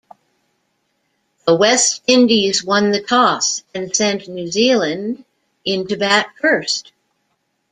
The West Indies won the toss and sent New Zealand in to bat first.